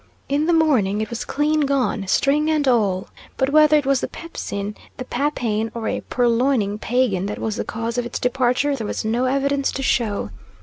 In the morning it was clean gone, string and all; but whether it was the pepsine, the papaine, or a purloining pagan that was the cause of its departure there was no evidence to show.